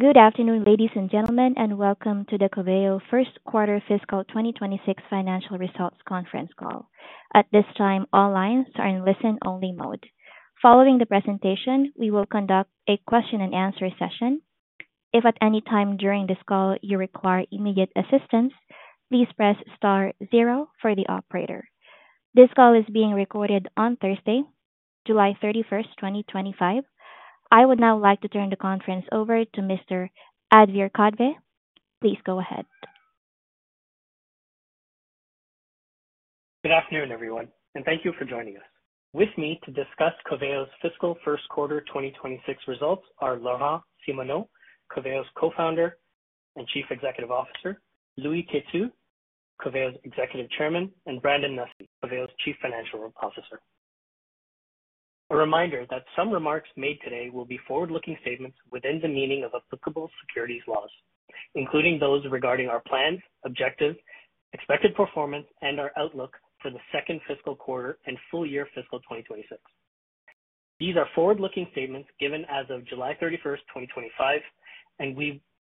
Good afternoon, ladies and gentlemen, and welcome the Coveo first quarter fiscal 2026 financial results conference call. At this time, all lines are in listen-only mode. Following the presentation, we will conduct a question-and-answer session. If at any time during this call you require immediate assistance, please press star zero for the operator. This call is being recorded on Thursday, July 31st, 2025. I would now like to turn the conference over to Mr. Adhir Kadve. Please go ahead. Good afternoon, everyone, and thank you for joining us. With me to discuss Coveo's fiscal first quarter 2026 results are Laurent Simoneau, Coveo's Co-founder and Chief Executive Officer; Louis Têtu, Coveo's Executive Chairman; and Brandon Nussey, Coveo's Chief Financial Officer. A reminder that some remarks made today will be forward-looking statements within the meaning of applicable securities laws, including those regarding our plans, objectives, expected performance, and our outlook for the second fiscal quarter and full-year fiscal 2026. These are forward-looking statements given as of July 31st, 2025,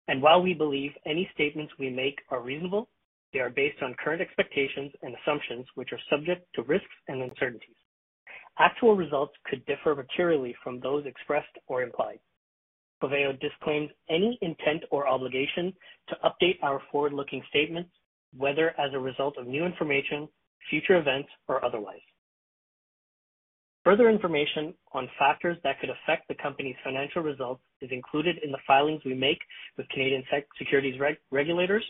and while we believe any statements we make are reasonable, they are based on current expectations and assumptions which are subject to risks and uncertainties. Actual results could differ materially from those expressed or implied. Coveo disclaims any intent or obligation to update our forward-looking statements, whether as a result of new information, future events, or otherwise. Further information on factors that could affect the company's financial results is included in the filings we make with Canadian securities regulators,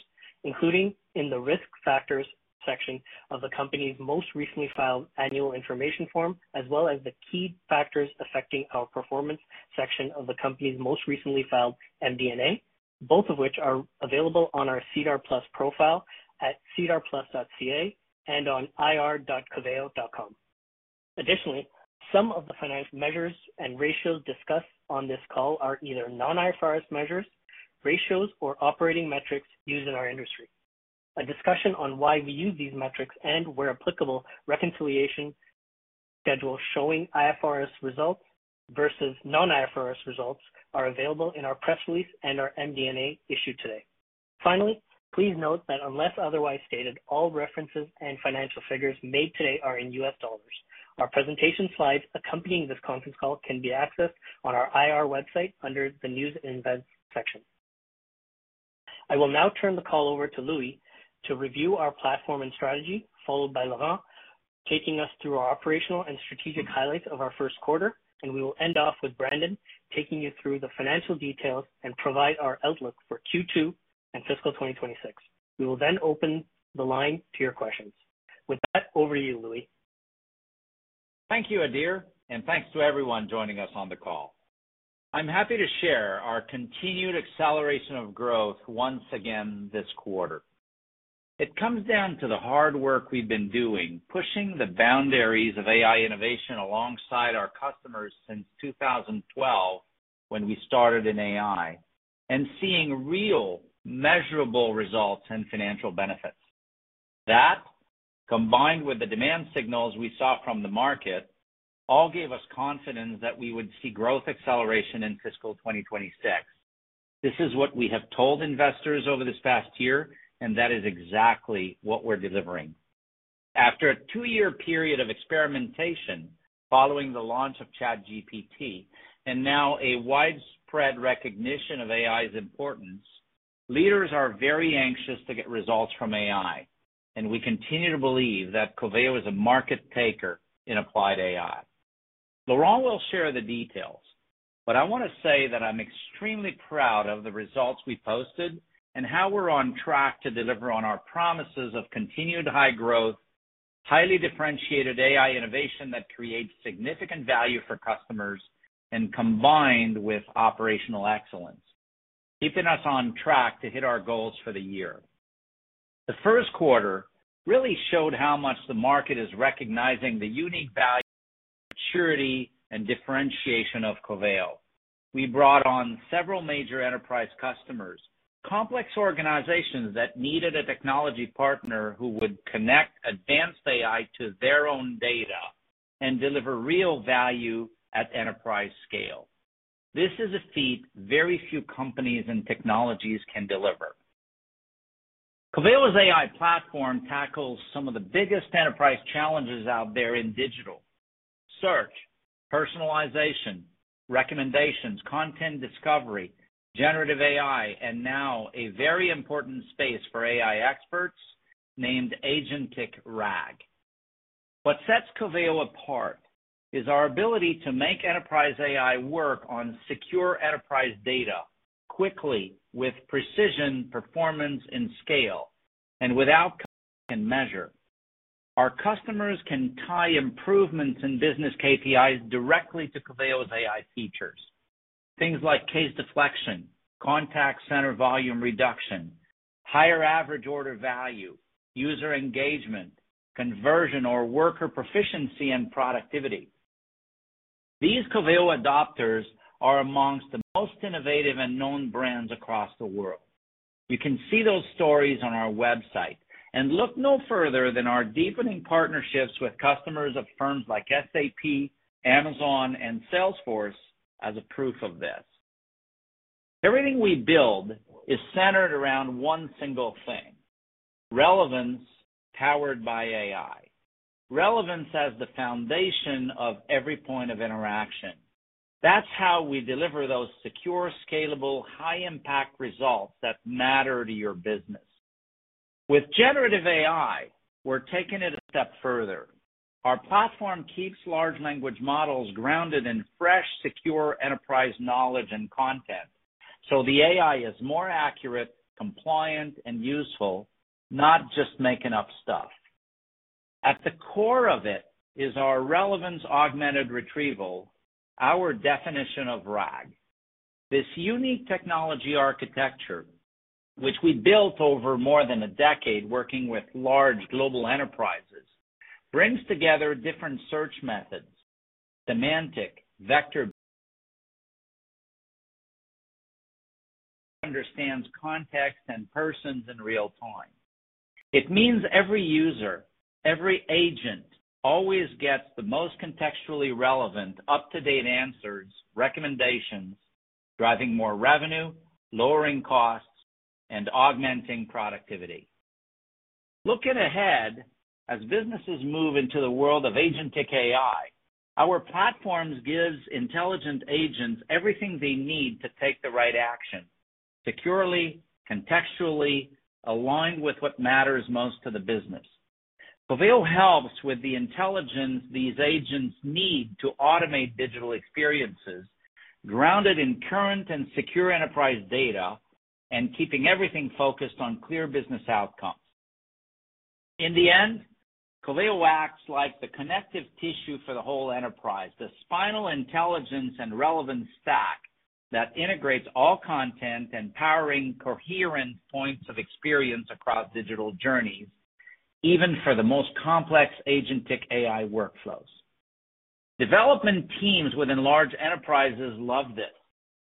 including in the risk factors section of the company's most recently filed annual information form, as well as the key factors affecting our performance section of the company's most recently filed MD&A, both of which are available on our SEDAR+ profile at sedarplus.ca and on ir.coveo.com. Additionally, some of the finance measures and ratios discussed on this call are either non-IFRS measures, ratios, or operating metrics used in our industry. A discussion on why we use these metrics and, where applicable, reconciliation schedules showing IFRS results versus non-IFRS results are available in our press release and our MD&A issued today. Finally, please note that unless otherwise stated, all references and financial figures made today are in US dollars. Our presentation slides accompanying this conference call can be accessed on our IR website under the news and events section. I will now turn the call over to Louis to review our platform and strategy, followed by Laurent, taking us through our operational and strategic highlights of our first quarter, and we will end off with Brandon taking you through the financial details and provide our outlook for Q2 and fiscal 2026. We will then open the line to your questions. With that, over to you, Louis. Thank you, Adhir, and thanks to everyone joining us on the call. I'm happy to share our continued acceleration of growth once again this quarter. It comes down to the hard work we've been doing, pushing the boundaries of AI innovation alongside our customers since 2012, when we started in AI, and seeing real, measurable results and financial benefits. That, combined with the demand signals we saw from the market, all gave us confidence that we would see growth acceleration in fiscal 2026. This is what we have told investors over this past year, and that is exactly what we're delivering. After a two-year period of experimentation following the launch of ChatGPT and now a widespread recognition of AI's importance, leaders are very anxious to get results from AI, and we continue to believe that Coveo is a market taker in applied AI. Laurent will share the details, but I want to say that I'm extremely proud of the results we posted and how we're on track to deliver on our promises of continued high growth, highly differentiated AI innovation that creates significant value for customers and combined with operational excellence, keeping us on track to hit our goals for the year. The first quarter really showed how much the market is recognizing the unique value, maturity, and differentiation of Coveo. We brought on several major enterprise customers, complex organizations that needed a technology partner who would connect advanced AI to their own data and deliver real value at enterprise scale. This is a feat very few companies and technologies can deliver. Coveo's AI platform tackles some of the biggest enterprise challenges out there in digital: search, personalization, recommendations, content discovery, generative AI, and now a very important space for AI experts named agentic RAG. What sets Coveo apart is our ability to make enterprise AI work on secure enterprise data quickly, with precision, performance, and scale, and without and measured. Our customers can tie improvements in business KPIs directly to Coveo's AI features. Things like case deflection, contact center volume reduction, higher average order value, user engagement, conversion, or worker proficiency and productivity. These Coveo adopters are amongst the most innovative and known brands across the world. You can see those stories on our website, and look no further than our deepening partnerships with customers of firms like SAP, Amazon, and Salesforce as a proof of this. Everything we build is centered around one single thing: relevance powered by AI. Relevance is the foundation of every point of interaction. That's how we deliver those secure, scalable, high-impact results that matter to your business. With generative AI, we're taking it a step further. Our platform keeps large language models grounded in fresh, secure enterprise knowledge and content, so the AI is more accurate, compliant, and useful, not just making up stuff. At the core of it is our relevance-augmented retrieval, our definition of RAG. This unique technology architecture, which we built over more than a decade working with large global enterprises, brings together different search methods. Semantic vector understands context and persons in real time. It means every user, every agent, always gets the most contextually relevant, up-to-date answers and recommendations, driving more revenue, lowering costs, and augmenting productivity. Looking ahead, as businesses move into the world of agentic AI, our platforms give intelligent agents everything they need to take the right action, securely and contextually, aligned with what matters most to business. Coveo helps with the intelligence these agents need to automate digital experiences, grounded in current and secure enterprise data, and keeping everything focused on clear business outcomes. In end, Coveo acts like the connective tissue for the whole enterprise, the spinal intelligence and relevance stack that integrates all content and powers coherent points of experience across digital journeys, even for the most complex agentic AI workflows. Development teams within large enterprises love this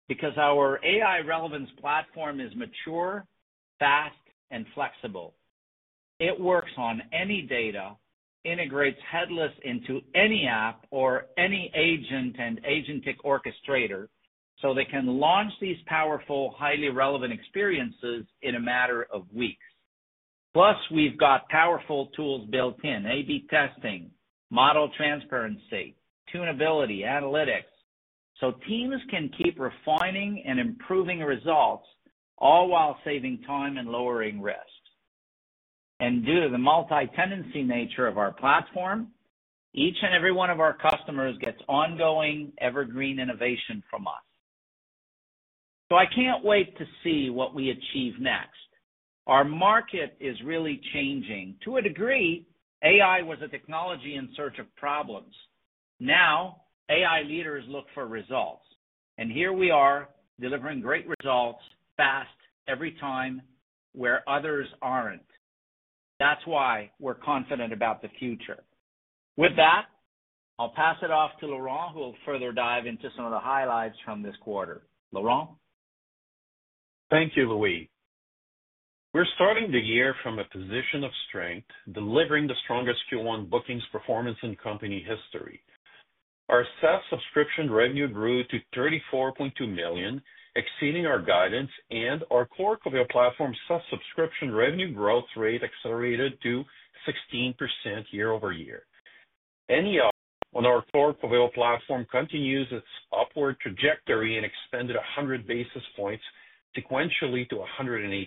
because our AI-powered relevance platform is mature, fast, and flexible. It works on any data, integrates headless into any app or any agent and agentic orchestrator, so they can launch these powerful, highly relevant experiences in a matter of weeks. Plus, we've got powerful tools built in: A/B testing, model transparency, tunability, analytics, so teams can keep refining and improving results, all while saving time and lowering risk. Due to the multi-tenancy nature of our platform, each and every one of our customers gets ongoing, evergreen innovation from us. I can't wait to see what we achieve next. Our market is really changing. To a degree, AI was a technology in search of problems. Now, AI leaders look for results. Here we are, delivering great results, fast, every time, where others aren't. That's why we're confident about the future. With that, I'll pass it off to Laurent, who will further dive into some of the highlights from this quarter. Laurent. Thank you, Louis. We're starting the year from a position of strength, delivering the strongest Q1 bookings performance in company history. Our SaaS subscription revenue grew to $34.2 million, exceeding our guidance, and our core Coveo Platform's SaaS subscription revenue growth rate accelerated to 16% year-over-year. NER on our core Coveo Platform continues its upward trajectory and extended 100 basis points sequentially to 108%.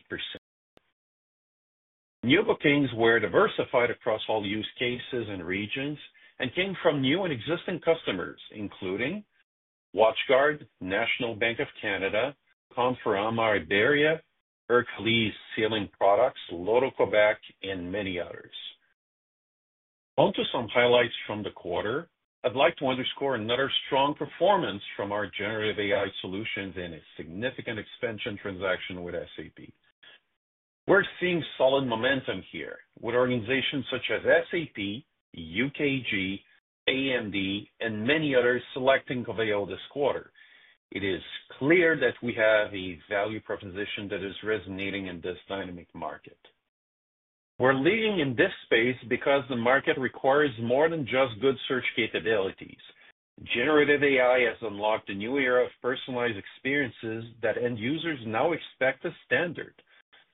New bookings were diversified across all use cases and regions and came from new and existing customers, including: WatchGuard, National Bank of Canada, Conforama [Idarea], Hercules Ceiling Products, [L'Oro] Québec, and many others. On to some highlights from the quarter, I'd like to underscore another strong performance from our generative AI solutions and a significant expansion transaction with SAP. We're seeing solid momentum here, with organizations such as SAP, UKG, AMD, and many others selecting Coveo this quarter. It is clear that we have a value proposition that is resonating in this dynamic market. We're leading in this space because the market requires more than just good search capabilities. Generative AI has unlocked a new era of personalized experiences that end users now expect as standard.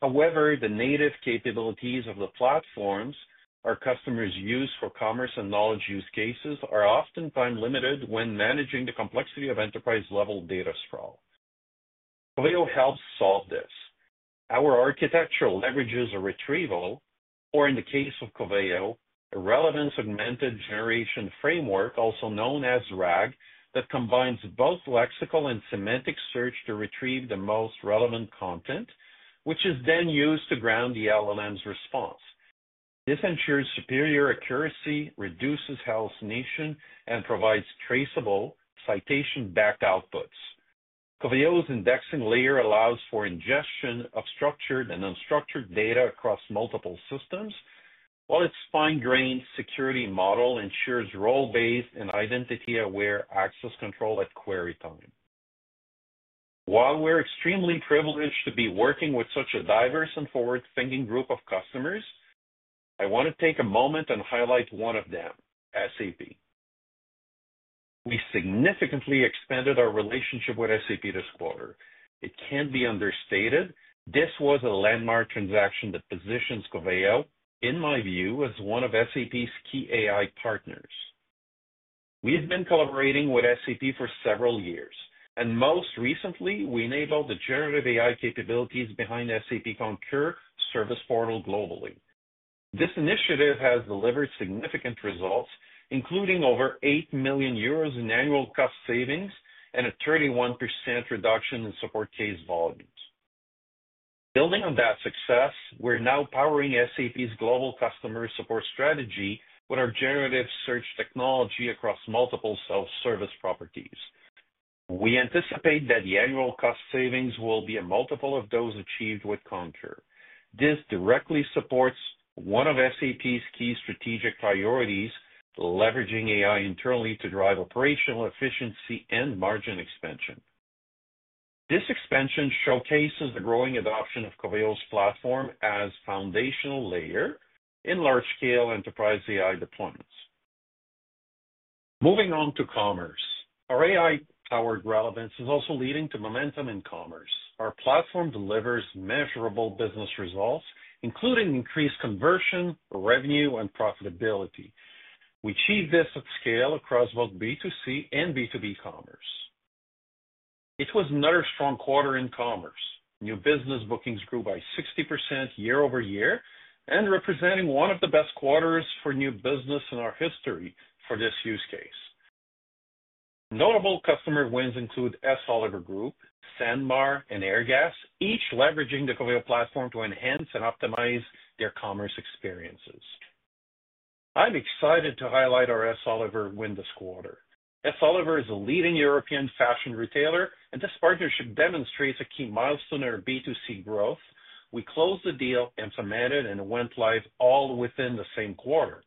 However, the native capabilities of the platforms our customers use for commerce and knowledge use cases are oftentimes limited when managing the complexity of enterprise-level data sprawl. Coveo helps solve this. Our architecture leverages a retrieval, or in the case of Coveo, a relevance-augmented generation framework, also known as RAG, that combines both lexical and semantic search to retrieve the most relevant content, which is then used to ground the LLM's response. This ensures superior accuracy, reduces hallucination, and provides traceable, citation-backed outputs. Coveo's indexing layer allows for ingestion of structured and unstructured data across multiple systems, while its fine-grained security model ensures role-based and identity-aware access control at query time. While we're extremely privileged to be working with such a diverse and forward-thinking group of customers, I want to take a moment and highlight one of them: SAP. We significantly expanded our relationship with SAP this quarter. It can't be understated, this was a landmark transaction that positions Coveo, in my view, as one of SAP's key AI partners. We've been collaborating with SAP for several years, and most recently, we enabled the generative AI capabilities behind SAP Concur service portal globally. This initiative has delivered significant results, including over 8 million euros in annual cost savings and a 31% reduction in support case volumes. Building on that success, we're now powering SAP's global customer support strategy with our generative search technology across multiple self-service properties. We anticipate that the annual cost savings will be a multiple of those achieved with Concur. This directly supports one of SAP's key strategic priorities: leveraging AI internally to drive operational efficiency and margin expansion. This expansion showcases the growing adoption of Coveo's platform as a foundational layer in large-scale enterprise AI deployments. Moving on to commerce, our AI-powered relevance is also leading to momentum in commerce. Our platform delivers measurable business results, including increased conversion, revenue, and profitability. We achieve this at scale across both B2C and B2B commerce. It was another strong quarter in commerce. New business bookings grew by 60% year-over-year, representing one of the best quarters for new business in our history for this use case. Notable customer wins include S.Oliver Group, SanMar, and Airgas, each leveraging the Coveo Platform to enhance and optimize their commerce experiences. I'm excited to highlight our S.Oliver win this quarter. S.Oliver is a leading European fashion retailer, and this partnership demonstrates a key milestone in our B2C growth. We closed the deal and submitted, and it went live all within the same quarter.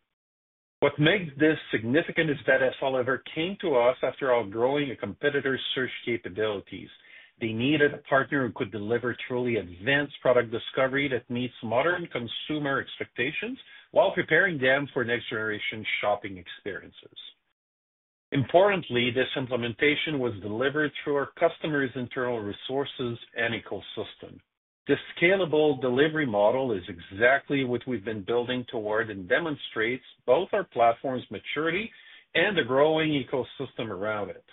What makes this significant is that S.Oliver came to us after outgrowing a competitor's search capabilities. They needed a partner who could deliver truly advanced product discovery that meets modern consumer expectations while preparing them for next-generation shopping experiences. Importantly, this implementation was delivered through our customers' internal resources and ecosystem. This scalable delivery model is exactly what we've been building toward and demonstrates both our platform's maturity and the growing ecosystem around it.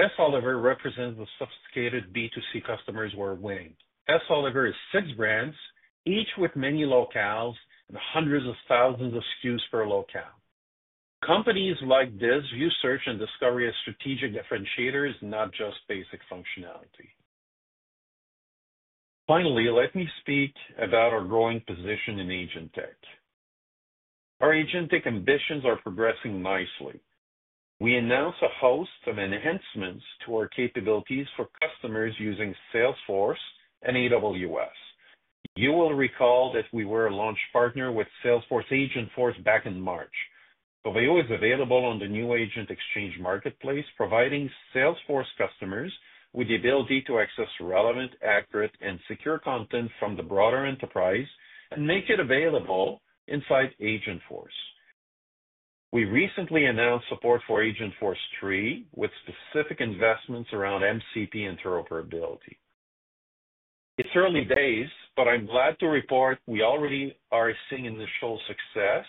S.Oliver represents the sophisticated B2C customers we're winning. S.Oliver is six brands, each with many locales and hundreds of thousands of SKUs per locale. Companies like this view search and discovery as strategic differentiators, not just basic functionality. Finally, let me speak about our growing position in agentic. Our agentic ambitions are progressing nicely. We announced a host of enhancements to our capabilities for customers using Salesforce and AWS. You will recall that we were a launch partner with Salesforce Agentforce back in March. Coveo is available on the new AgentExchange Marketplace, providing Salesforce customers with the ability to access relevant, accurate, and secure content from the broader enterprise and make it available inside Agentforce. We recently announced support for Agentforce 3 with specific investments around MCP interoperability. It's early days, but I'm glad to report we already are seeing initial success,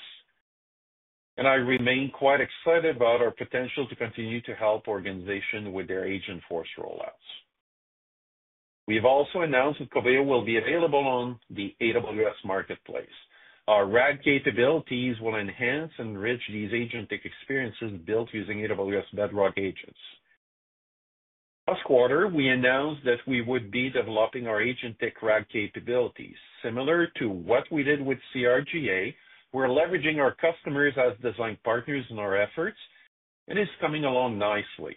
and I remain quite excited about our potential to continue to help organizations with their Agentforce rollouts. We've also announced that Coveo will be available on the AWS Marketplace. Our RAG capabilities will enhance and enrich these agentic experiences built using AWS Bedrock Agents. Last quarter, we announced that we would be developing our agentic RAG capabilities. Similar to what we did with CRGA, we're leveraging our customers as design partners in our efforts, and it's coming along nicely.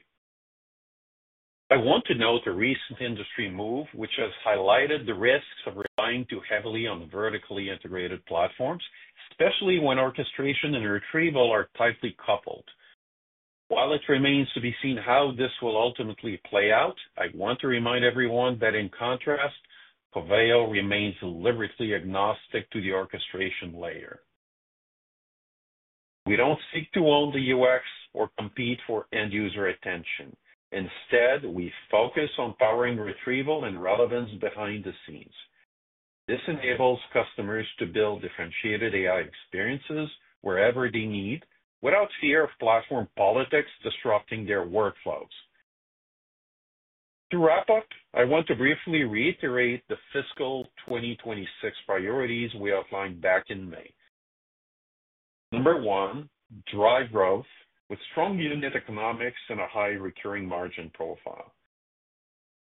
I want to note a recent industry move, which has highlighted the risks of relying too heavily on vertically integrated platforms, especially when orchestration and retrieval are tightly coupled. While it remains to be seen how this will ultimately play out, I want to remind everyone that in contrast, Coveo remains liberally agnostic to the orchestration layer. We don't seek to own the UX or compete for end-user attention. Instead, we focus on powering retrieval and relevance behind the scenes. This enables customers to build differentiated AI experiences wherever they need, without fear of platform politics disrupting their workflows. To wrap up, I want to briefly reiterate the fiscal 2026 priorities we outlined back in May. Number one, drive growth with strong unit economics and a high recurring margin profile.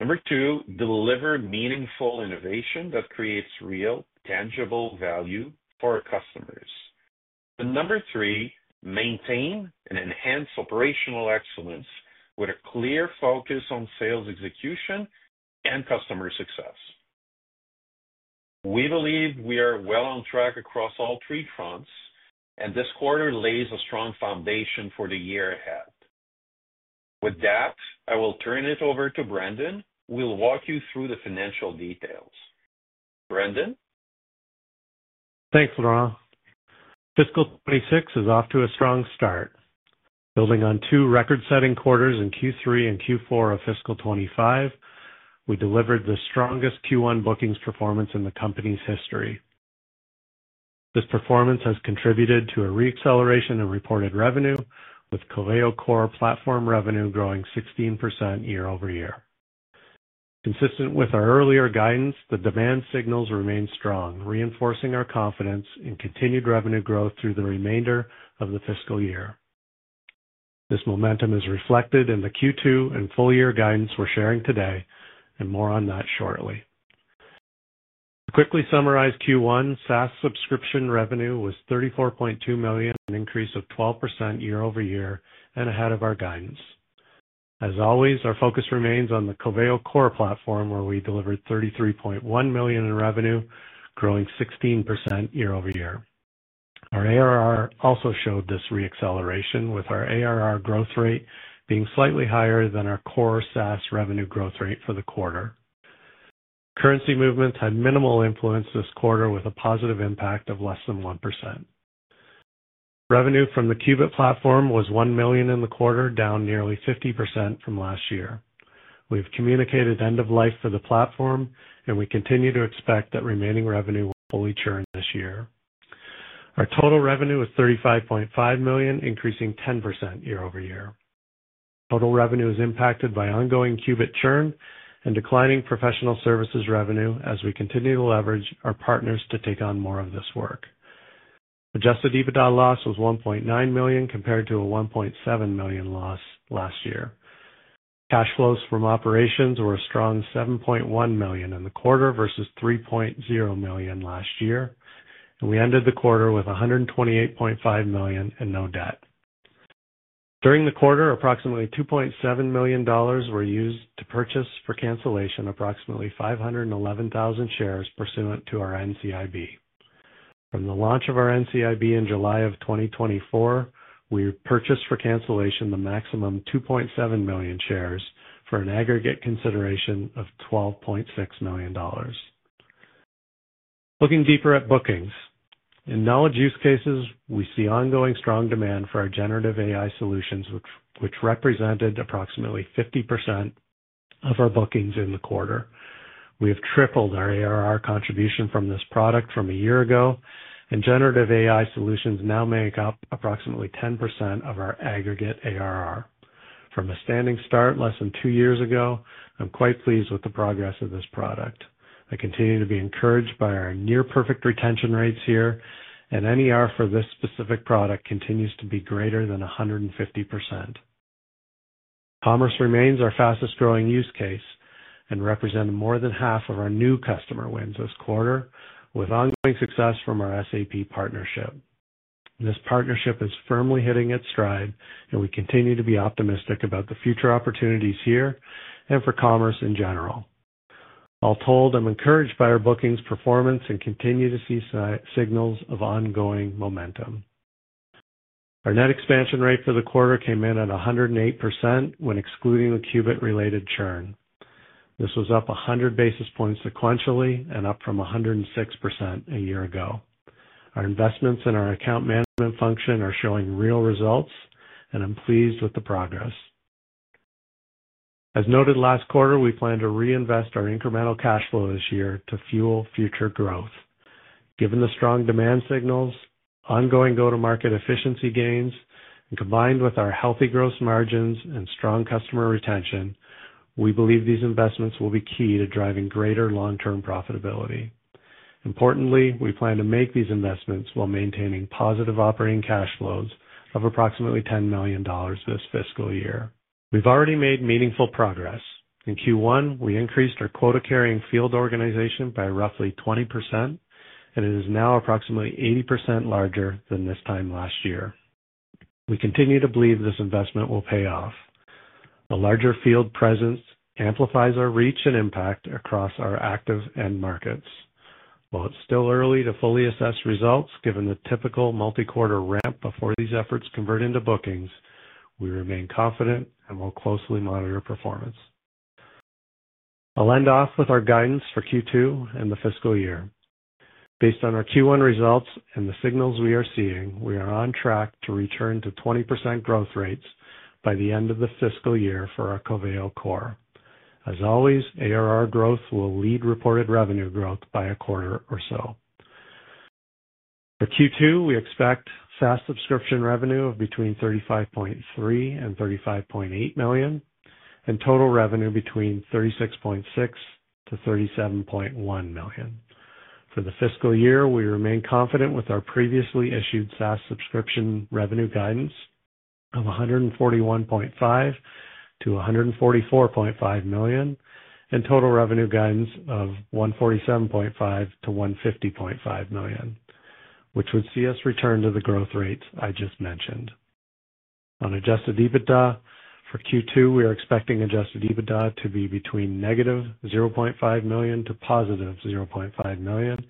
Number two, deliver meaningful innovation that creates real, tangible value for our customers. Number three, maintain and enhance operational excellence with a clear focus on sales execution and customer success. We believe we are well on track across all three fronts, and this quarter lays a strong foundation for the year ahead. With that, I will turn it over to Brandon. We'll walk you through the financial details. Brandon? Thanks, Laurent. Fiscal 2026 is off to a strong start. Building on two record-setting quarters in Q3 and Q4 of fiscal 2025, we delivered the strongest Q1 bookings performance in the company's history. This performance has contributed to a re-acceleration in reported revenue, with Coveo core platform revenue growing 16% year-over-year. Consistent with our earlier guidance, the demand signals remain strong, reinforcing our confidence in continued revenue growth through the remainder of the fiscal year. This momentum is reflected in the Q2 and full-year guidance we're sharing today, and more on that shortly. To quickly summarize Q1, SaaS subscription revenue was $34.2 million, an increase of 12% year-over-year and ahead of our guidance. As always, our focus remains on the Coveo core platform, where we delivered $33.1 million in revenue, growing 16% year-over-year. Our ARR also showed this re-acceleration, with our ARR growth rate being slightly higher than our core SaaS revenue growth rate for the quarter. Currency movements had minimal influence this quarter, with a positive impact of less than 1%. Revenue from the Qubit platform was $1 million in the quarter, down nearly 50% from last year. We've communicated end of life for the platform, and we continue to expect that remaining revenue will fully churn this year. Our total revenue is $35.5 million, increasing 10% year-over-year. Total revenue is impacted by ongoing Qubit churn and declining professional services revenue as we continue to leverage our partners to take on more of this work. Adjusted EBITDA loss was $1.9 million compared to a $1.7 million loss last year. Cash flows from operations were a strong $7.1 million in the quarter versus $3.0 million last year, and we ended the quarter with $128.5 million and no debt. During the quarter, approximately $2.7 million were used to purchase for cancellation approximately 511,000 shares pursuant to our NCIB. From the launch of our NCIB in July of 2024, we purchased for cancellation the maximum 2.7 million shares for an aggregate consideration of $12.6 million. Looking deeper at bookings, in knowledge use cases, we see ongoing strong demand for our generative AI solutions, which represented approximately 50% of our bookings in the quarter. We have tripled our ARR contribution from this product from a year ago, and generative AI solutions now make up approximately 10% of our aggregate ARR. From a standing start less than two years ago, I'm quite pleased with the progress of this product. I continue to be encouraged by our near-perfect retention rates here, and NER for this specific product continues to be greater than 150%. Commerce remains our fastest growing use case and represented more than half of our new customer wins this quarter, with ongoing success from our SAP partnership. This partnership is firmly hitting its stride, and we continue to be optimistic about the future opportunities here and for commerce in general. All told, I'm encouraged by our bookings performance and continue to see signals of ongoing momentum. Our net expansion rate for the quarter came in at 108% when excluding the Qubit-related churn. This was up 100 basis points sequentially and up from 106% a year ago. Our investments in our account management function are showing real results, and I'm pleased with the progress. As noted last quarter, we plan to reinvest our incremental cash flow this year to fuel future growth. Given the strong demand signals, ongoing go-to-market efficiency gains, and combined with our healthy gross margins and strong customer retention, we believe these investments will be key to driving greater long-term profitability. Importantly, we plan to make these investments while maintaining positive operating cash flows of approximately $10 million this fiscal year. We've already made meaningful progress. In Q1, we increased our quota-carrying field organization by roughly 20%, and it is now approximately 80% larger than this time last year. We continue to believe this investment will pay off. A larger field presence amplifies our reach and impact across our active end markets. While it's still early to fully assess results, given the typical multi-quarter ramp before these efforts convert into bookings, we remain confident and will closely monitor performance. I'll end off with our guidance for Q2 and the fiscal year. Based on our Q1 results and the signals we are seeing, we are on track to return to 20% growth rates by the end of the fiscal year for our Coveo core. As always, ARR growth will lead reported revenue growth by a quarter or so. For Q2, we expect SaaS subscription revenue of between $35.3 million and $35.8 million, and total revenue between $36.6 million-$37.1 million. For the fiscal year, we remain confident with our previously issued SaaS subscription revenue guidance of $141.5 million-$144.5 million, and total revenue guidance of $147.5 million-$150.5 million, which would see us return to the growth rates I just mentioned. On adjusted EBITDA for Q2, we are expecting adjusted EBITDA to be between -$0.5 million to +$0.5 million,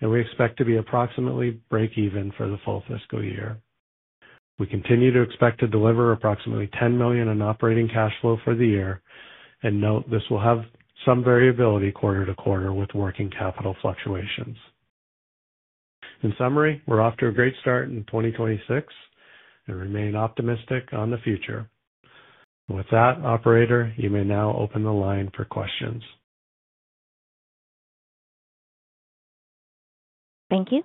and we expect to be approximately break-even for the full fiscal year. We continue to expect to deliver approximately $10 million in operating cash flow for the year, and note this will have some variability quarter to quarter with working capital fluctuations. In summary, we're off to a great start in 2026 and remain optimistic on the future. With that, operator, you may now open the line for questions. Thank you.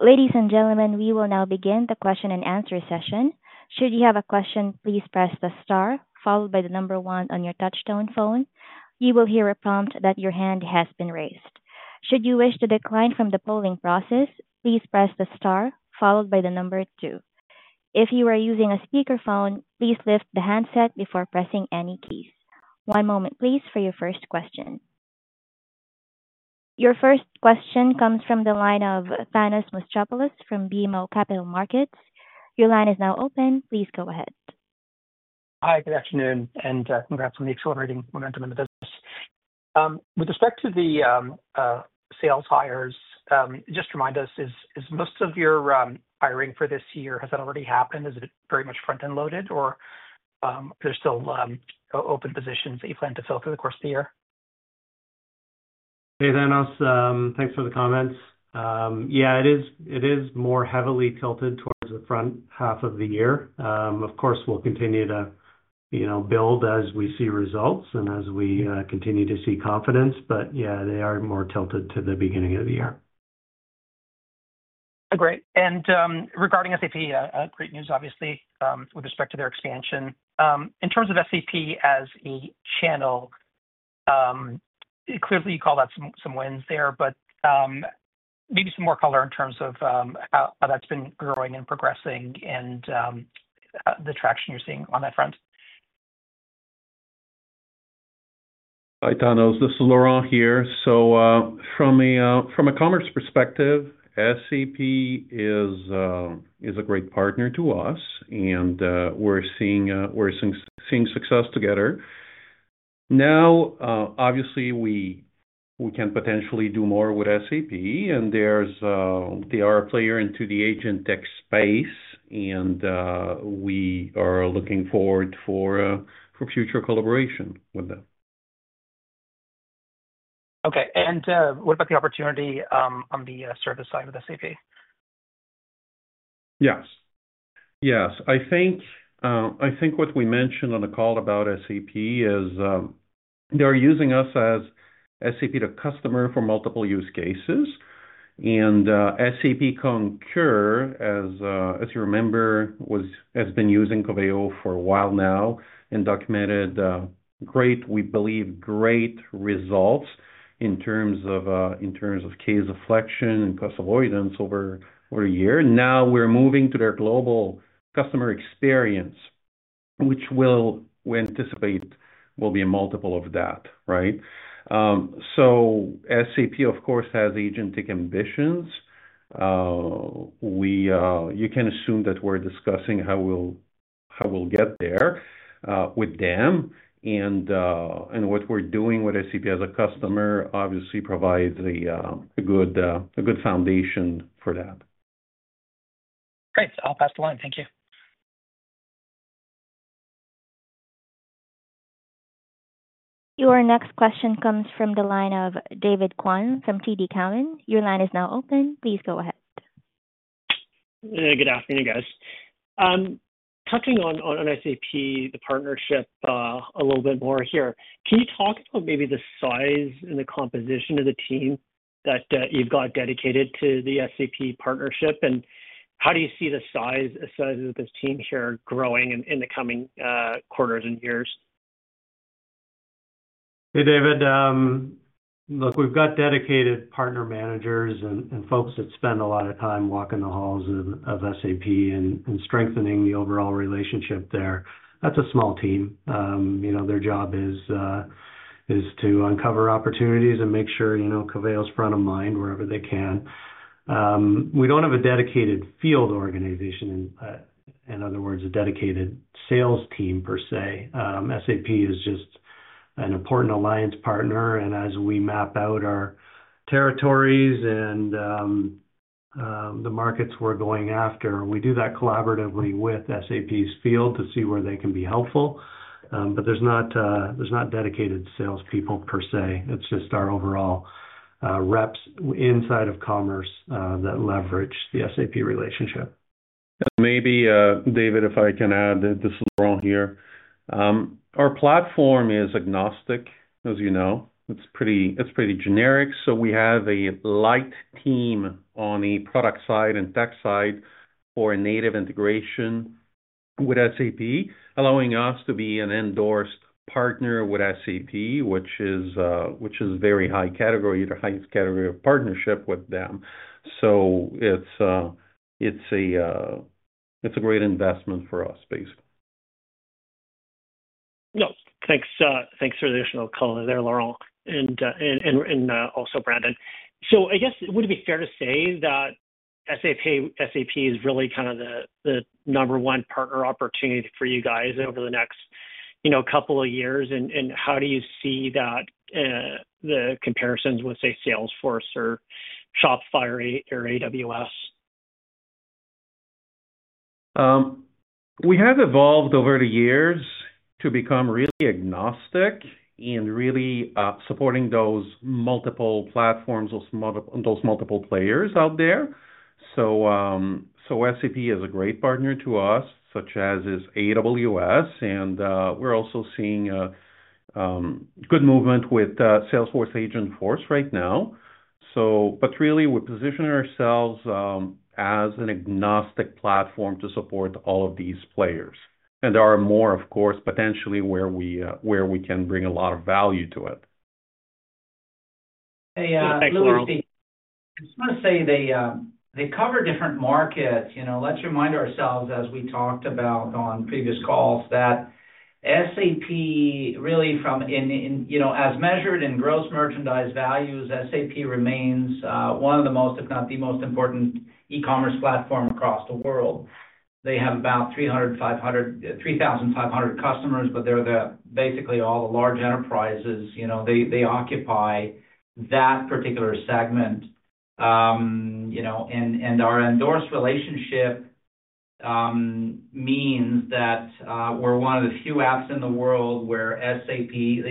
Ladies and gentlemen, we will now begin the question and answer session. Should you have a question, please press the star followed by the number one on your touch-tone phone. You will hear a prompt that your hand has been raised. Should you wish to decline from the polling process, please press the star followed by the number two. If you are using a speakerphone, please lift the handset before pressing any key. One moment, please, for your first question. Your first question comes from the line of Thanos Muschopoulos from BMO Capital Markets. Your line is now open. Please go ahead. Hi, good afternoon, and congrats on the accelerating momentum in the business. With respect to the sales hires, just remind us, is most of your hiring for this year, has that already happened? Is it very much front-end loaded, or are there still open positions that you plan to fill through the course of the year? Hey, Thanos, thanks for the comments. Yeah, it is more heavily tilted towards the front half of the year. Of course, we'll continue to build as we see results and as we continue to see confidence, but yeah, they are more tilted to the beginning of the year. Agreed. Regarding SAP, great news, obviously with respect to their expansion. In terms of SAP as a channel, clearly you called out some wins there, but maybe some more color in terms of how that's been growing and progressing and the traction you're seeing on that front. Hi, Thanos, this is Laurent here. From a commerce perspective, SAP is a great partner to us, and we're seeing success together. Obviously, we can potentially do more with SAP, and they are a player in the agentic AI space, and we are looking forward to future collaboration with them. Okay, what about the opportunity on the service side with SAP? Yes, yes, I think what we mentioned on the call about SAP is they're using us as SAP to customer for multiple use cases, and SAP Concur, as you remember, has been using Coveo for a while now and documented great, we believe, great results in terms of case deflection and cost avoidance over a year. Now we're moving to their global customer experience, which we anticipate will be a multiple of that, right? SAP, of course, has agentic ambitions. You can assume that we're discussing how we'll get there with them, and what we're doing with SAP as a customer obviously provides a good foundation for that. Great, I'll pass the line. Thank you. Your next question comes from the line of David Kwan from TD Cowen. Your line is now open. Please go ahead. Good afternoon, guys. Touching on SAP, the partnership a little bit more here, can you talk about maybe the size and the composition of the team that you've got dedicated to the SAP partnership, and how do you see the size of this team here growing in the coming quarters and years? Hey, David. Look, we've got dedicated partner managers and folks that spend a lot of time walking the halls of SAP and strengthening the overall relationship there. That's a small team. Their job is to uncover opportunities and make sure Coveo is front of mind wherever they can. We don't have a dedicated field organization, in other words, a dedicated sales team per se. SAP is just an important alliance partner, and as we map out our territories and the markets we're going after, we do that collaboratively with SAP's field to see where they can be helpful. There's not dedicated salespeople per se. It's just our overall reps inside of commerce that leverage the SAP relationship. Maybe, David, if I can add, this is Laurent here. Our platform is agnostic, as you know. It's pretty generic. We have a light team on the product side and tech side for a native integration with SAP, allowing us to be an endorsed partner with SAP, which is a very high category, the highest category of partnership with them. It's a great investment for us, basically. Thanks for the additional color there, Laurent, and also Brandon. Would it be fair to say that SAP is really kind of the number one partner opportunity for you guys over the next couple of years? How do you see that, the comparisons with, say, Salesforce or Shopify or AWS? We have evolved over the years to become really agnostic and really supporting those multiple platforms, those multiple players out there. SAP is a great partner to us, such as is AWS, and we're also seeing a good movement with Salesforce Agentforce right now. We position ourselves as an agnostic platform to support all of these players. There are more, of course, potentially, where we can bring a lot of value to it. Hey, Louis, I just want to say they cover different markets. Let's remind ourselves, as we talked about on previous calls, that SAP really, as measured in gross merchandise values, SAP remains one of the most, if not the most important e-commerce platforms across the world. They have about 3,500 customers, but they're basically all the large enterprises. They occupy that particular segment. Our endorsed relationship means that we're one of the few apps in the world where the SAP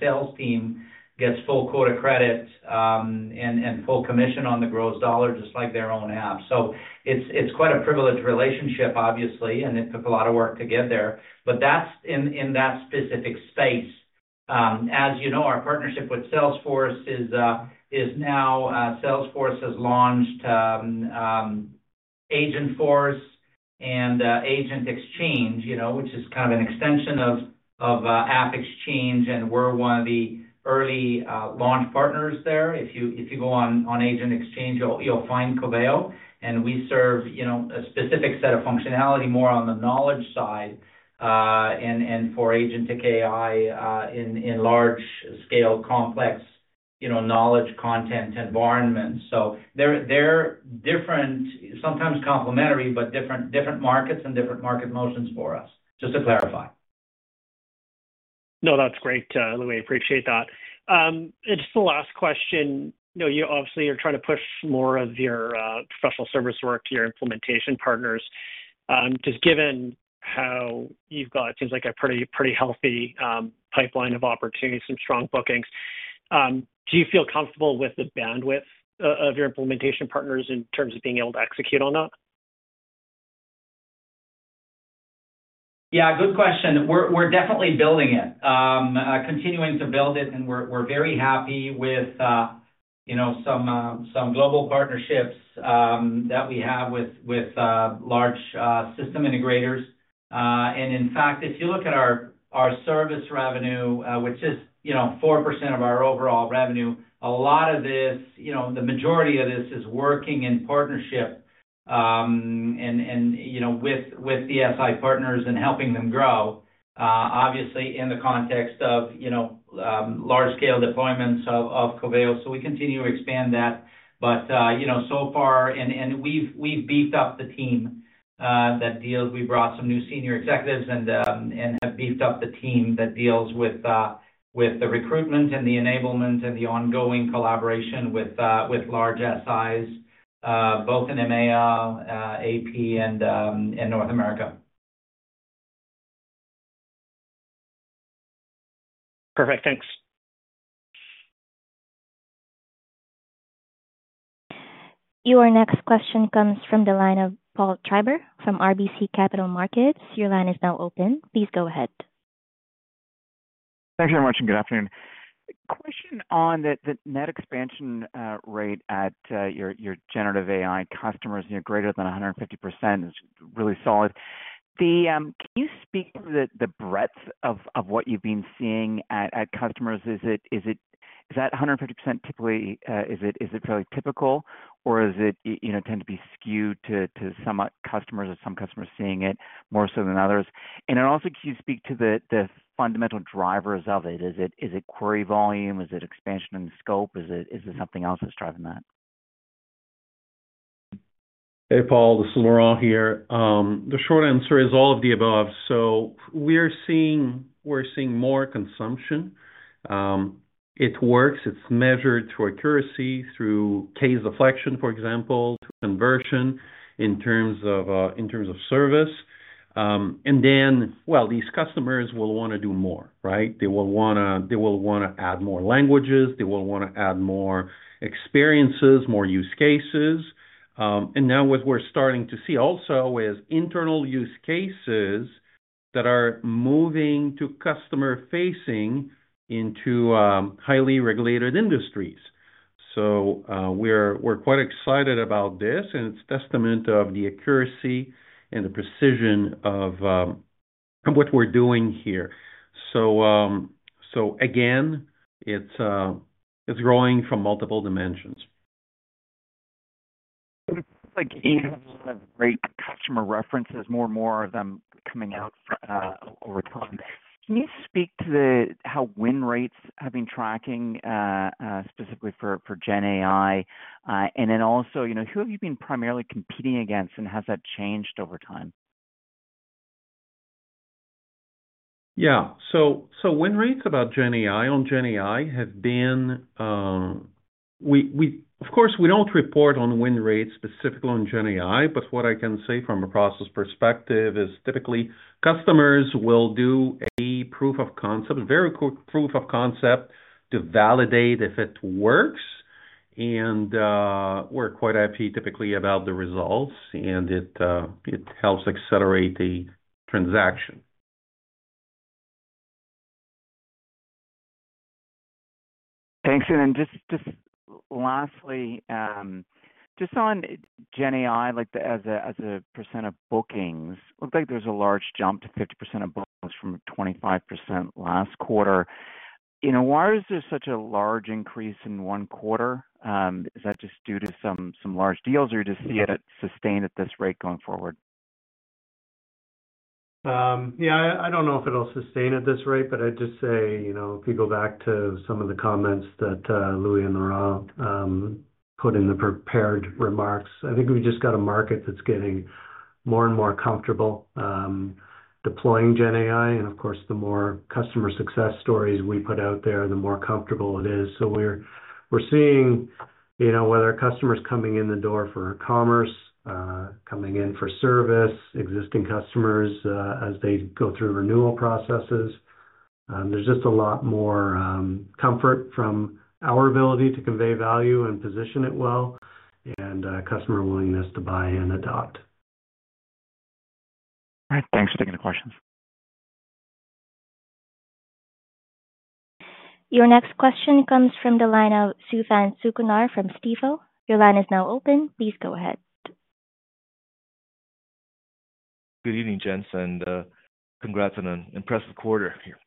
sales team gets full quota credit and full commission on the gross dollar, just like their own app. It's quite a privileged relationship, obviously, and it took a lot of work to get there. That's in that specific space. As you know, our partnership with Salesforce is now Salesforce has launched Agentforce and AgentExchange, which is kind of an extension of AppExchange, and we're one of the early launch partners there. If you go on AgentExchange, you'll find Coveo, and we serve a specific set of functionality more on the knowledge side and for agentic AI in large-scale complex knowledge content environments. They're different, sometimes complementary, but different markets and different market motions for us, just to clarify. No, that's great, Louis. I appreciate that. Just the last question, obviously, you're trying to push more of your professional service work to your implementation partners. Given how you've got, it seems like a pretty healthy pipeline of opportunities and strong bookings, do you feel comfortable with the bandwidth of your implementation partners in terms of being able to execute on that? Yeah, good question. We're definitely building it, continuing to build it, and we're very happy with, you know, some global partnerships that we have with large system integrators. In fact, if you look at our service revenue, which is, you know, 4% of our overall revenue, a lot of this, you know, the majority of this is working in partnership and, you know, with the SI partners and helping them grow, obviously, in the context of, you know, large-scale deployments of Coveo. We continue to expand that. We've beefed up the team that deals, we brought some new senior executives and have beefed up the team that deals with the recruitment and the enablement and the ongoing collaboration with large SIs, both in EMEA, AP, and North America. Perfect, thanks. Your next question comes from the line of Paul Treiber from RBC Capital Markets. Your line is now open. Please go ahead. Thanks very much and good afternoon. Question on the net expansion rate at your generative AI customers, greater than 150% is really solid. Can you speak to the breadth of what you've been seeing at customers? Is that 150% typical? Is it fairly typical, or does it tend to be skewed to some customers or are some customers seeing it more so than others? Also, can you speak to the fundamental drivers of it? Is it query volume? Is it expansion in scope? Is it something else that's driving that? Hey, Paul, this is Laurent here. The short answer is all of the above. We're seeing more consumption. It works. It's measured to accuracy through case deflection, for example, to conversion in terms of service. These customers will want to do more, right? They will want to add more languages. They will want to add more experiences, more use cases. Now what we're starting to see also is internal use cases that are moving to customer-facing into highly regulated industries. We're quite excited about this, and it's a testament of the accuracy and the precision of what we're doing here. It's growing from multiple dimensions. Like AWS, great customer references, more and more of them coming out over time. Can you speak to how win rates have been tracking specifically GenAI? Also, you know, who have you been primarily competing against, and has that changed over time? Yeah, win rates GenAI have been, of course, we don't report on win rates specifically GenAI, but what I can say from a process perspective is typically customers will do a proof of concept, a very quick proof of concept to validate if it works. We're quite happy typically about the results, and it helps accelerate the transaction. Thanks, and then just lastly, just GenAI, like as a percent of bookings, it looked like there's a large jump to 50% of bookings from 25% last quarter. You know, why is there such a large increase in one quarter? Is that just due to some large deals, or do you just see it sustained at this rate going forward? Yeah, I don't know if it'll sustain at this rate, but I'd just say, you know, if you go back to some of the comments that Louis and Laurent put in the prepared remarks, I think we've just got a market that's getting more and more comfortable GenAI, and of course, the more customer success stories we put out there, the more comfortable it is. We're seeing, you know, whether customers coming in the door for e-commerce, coming in for service, existing customers as they go through renewal processes, there's just a lot more comfort from our ability to convey value and position it well, and customer willingness to buy and adopt. All right, thanks for taking the questions. Your next question comes from the line of Suthan Sukumar from Stifel. Your line is now open. Please go ahead. Good evening, Jens, and congrats on an impressive quarter here.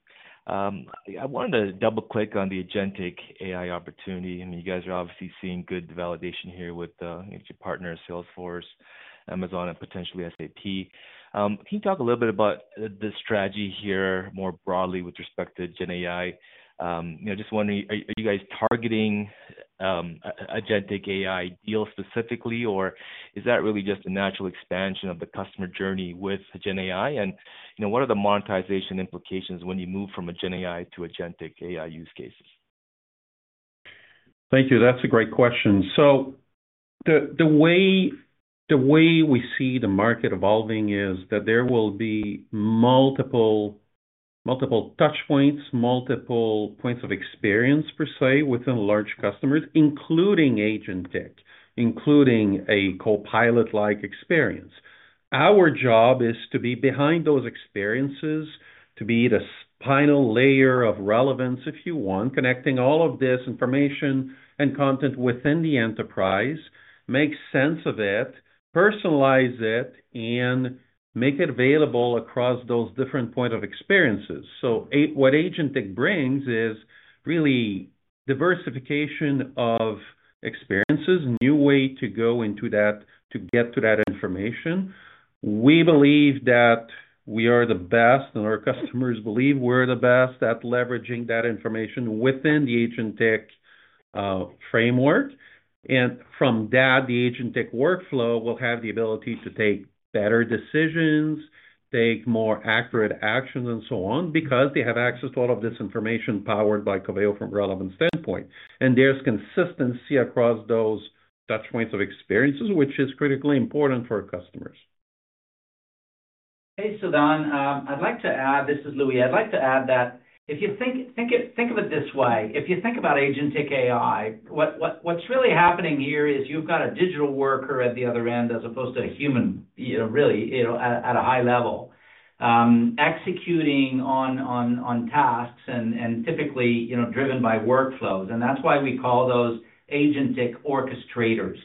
I wanted to double-click on the agentic AI opportunity. You guys are obviously seeing good validation here with your partners, Salesforce, Amazon, and potentially SAP. Can you talk a little bit about the strategy here more broadly with respect GenAI? Just wondering, are you guys targeting agentic AI deals specifically, or is that really just a natural expansion of the customer journey GenAI? What are the monetization implications when you move from GenAI to agentic AI use cases? Thank you. That's a great question. The way we see the market evolving is that there will be multiple touchpoints, multiple points of experience per se within large customers, including agentic, including a copilot-like experience. Our job is to be behind those experiences, to be the final layer of relevance, if you want, connecting all of this information and content within the enterprise, make sense of it, personalize it, and make it available across those different points of experiences. What agentic brings is really diversification of experiences, a new way to go into that, to get to that information. We believe that we are the best, and our customers believe we're the best at leveraging that information within the agentic framework. From that, the agentic workflow will have the ability to take better decisions, take more accurate actions, and so on, because they have access to all of this information powered by Coveo from a relevant standpoint. There's consistency across those touchpoints of experiences, which is critically important for customers. Hey, Sudan. I'd like to add, this is Louis. I'd like to add that if you think of it this way, if you think about agentic AI, what's really happening here is you've got a digital worker at the other end, as opposed to a human, really at a high level, executing on tasks and typically driven by workflows. That's why we call those agentic orchestrators.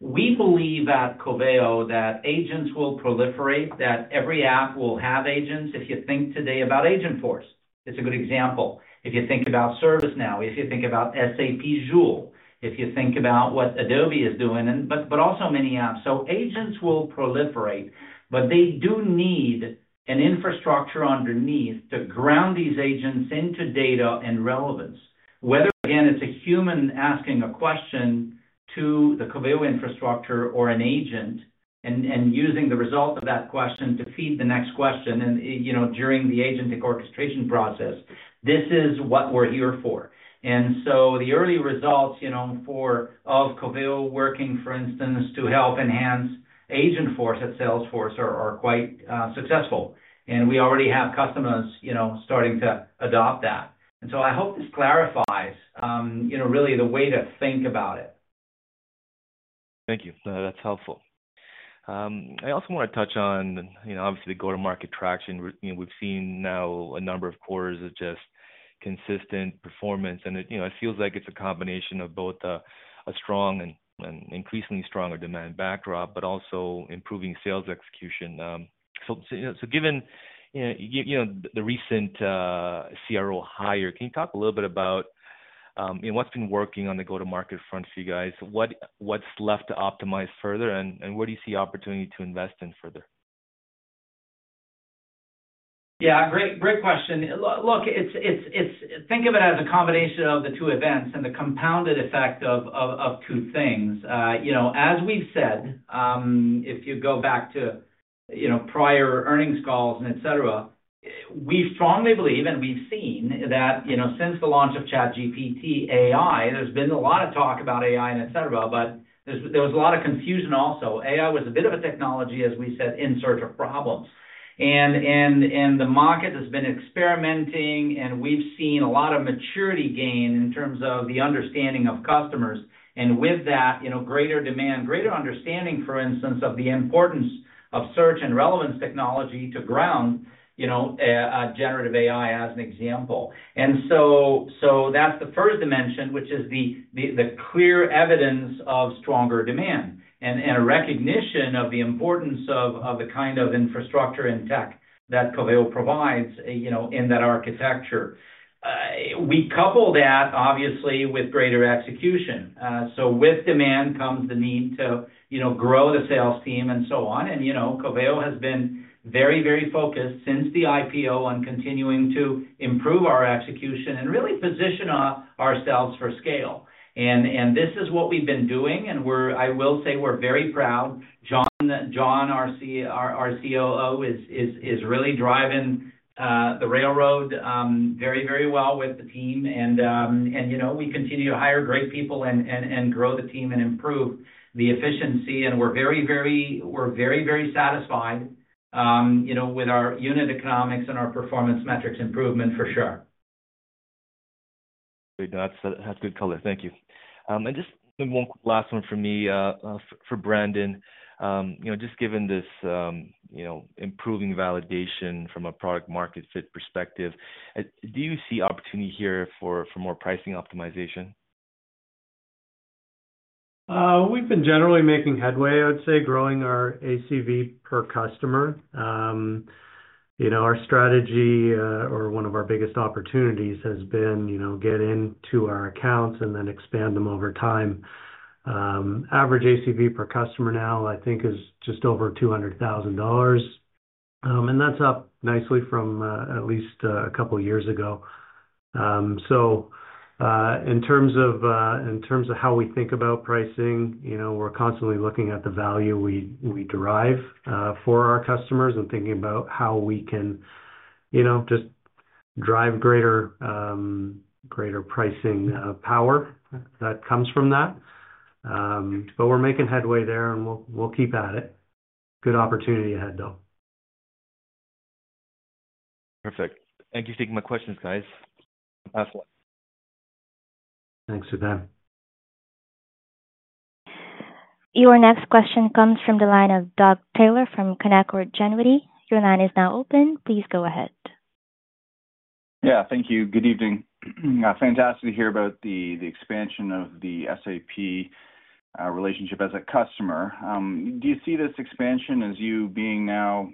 We believe at Coveo that agents will proliferate, that every app will have agents. If you think today about Agentforce, it's a good example. If you think about ServiceNow, if you think about SAP Joule, if you think about what Adobe is doing, but also many apps. Agents will proliferate, but they do need an infrastructure underneath to ground these agents into data and relevance. Whether it's a human asking a question to the Coveo infrastructure or an agent and using the result of that question to feed the next question, during the agentic orchestration process, this is what we're here for. The early results for Coveo working, for instance, to help enhance Agentforce at Salesforce are quite successful. We already have customers starting to adopt that. I hope this clarifies really the way to think about it. Thank you. That's helpful. I also want to touch on, you know, obviously the go-to-market traction. We've seen now a number of quarters of just consistent performance. It feels like it's a combination of both a strong and increasingly stronger demand backdrop, but also improving sales execution. Given, you know, the recent CRO hire, can you talk a little bit about what's been working on the go-to-market front for you guys? What's left to optimize further? Where do you see opportunity to invest in further? Yeah, great question. Look, think of it as a combination of the two events and the compounded effect of two things. As we've said, if you go back to prior earnings calls, we strongly believe, and we've seen that since the launch of ChatGPT AI, there's been a lot of talk about AI, but there was a lot of confusion also. AI was a bit of a technology, as we said, in search of problems. The market has been experimenting, and we've seen a lot of maturity gain in terms of the understanding of customers. With that, greater demand, greater understanding, for instance, of the importance of search and relevance technology to ground generative AI as an example. That's the first dimension, which is the clear evidence of stronger demand and a recognition of the importance of the kind of infrastructure and tech that Coveo provides in that architecture. We couple that, obviously, with greater execution. With demand comes the need to grow the sales team and so on. Coveo has been very, very focused since the IPO on continuing to improve our execution and really position ourselves for scale. This is what we've been doing. I will say we're very proud. John, our COO, is really driving the railroad very, very well with the team. We continue to hire great people and grow the team and improve the efficiency. We're very, very satisfied with our unit economics and our performance metrics improvement for sure. That's a good color. Thank you. Just one last one from me, for Brandon. Given this improving validation from a product-market fit perspective, do you see opportunity here for more pricing optimization? We've been generally making headway, I would say, growing our ACV per customer. Our strategy, or one of our biggest opportunities, has been to get into our accounts and then expand them over time. Average ACV per customer now, I think, is just over $200,000, and that's up nicely from at least a couple of years ago. In terms of how we think about pricing, we're constantly looking at the value we derive for our customers and thinking about how we can just drive greater pricing power that comes from that. We're making headway there, and we'll keep at it. Good opportunity ahead, though. Perfect. Thank you for taking my questions, guys. I'll pass the line. Thanks for that. Your next question comes from the line of Doug Taylor from Canaccord Genuity. Your line is now open. Please go ahead. Thank you. Good evening. Fantastic to hear about the expansion of the SAP relationship as a customer. Do you see this expansion as you being now